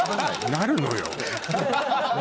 なるのよ。